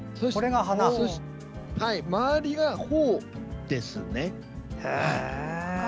周りが苞ですね。